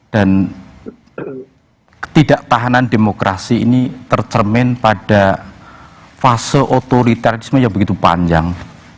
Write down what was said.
ketidaktahanan demokrasi ini tercermin pada fase otoritarisme yang begitu panjang